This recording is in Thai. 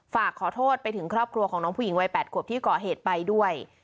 ฝากขอโทษไปถึงครอบครัวของน้องผู้หญิงวัย๘ขวบที่ก่อเหตุไปด้วย